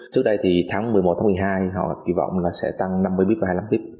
trước đây thì tháng một mươi một một mươi hai họ kỳ vọng là sẽ tăng năm mươi b và hai mươi năm b